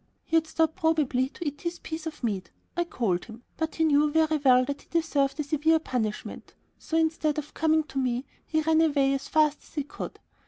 He had stopped probably to eat his piece of meat. I called him, but he knew very well that he deserved a severe punishment, so instead of coming to me, he ran away as fast as he could.